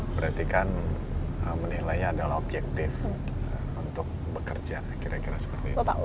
berarti kan menilainya adalah objektif untuk bekerja kira kira seperti itu